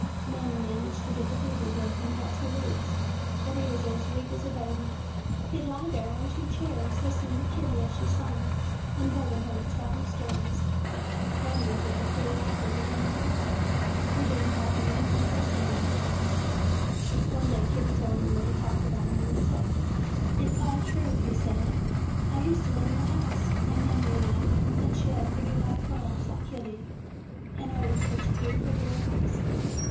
"Mammy managed to get the fever broke in about two weeks, but he was as weak as a baby. He 'd lie there on two chairs, listening to Kitty as she sung, and begging her to tell him stories. Gov'ner took a queer liking to him as well. We did n't call him anything but Santa [ 66 ] HOW BEN FO UND SANTA CLAUS Claus. One day Kitty told him what he talked about when he was sick. '' 'It 's all true/ he said. 'I used to live in the house, my Mammy and I, and she had pretty light curls like Kitty, and oh, such beau tiful blue eyes.